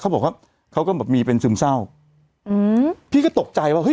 บอกว่าเขาก็แบบมีเป็นซึมเศร้าอืมพี่ก็ตกใจว่าเฮ